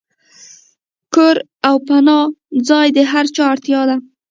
کور او پناه ځای د هر چا اړتیا ده.